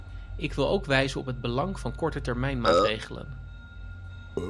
Ik wil ook wijzen op het belang van kortetermijnmaatregelen.